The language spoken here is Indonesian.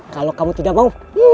kalau kamu tidak mau